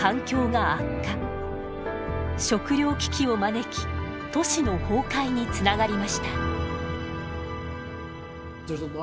食糧危機を招き都市の崩壊につながりました。